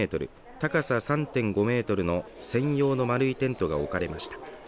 高さ３．５メートルの専用の丸いテントが置かれました。